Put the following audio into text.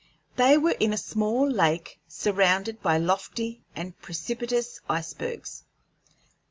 They were in a small lake surrounded by lofty and precipitous icebergs.